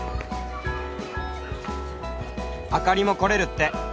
「あかりも来れるって。